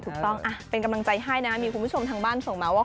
ถูกต้องเป็นกำลังใจให้นะมีคุณผู้ชมทางบ้านส่งมาว่า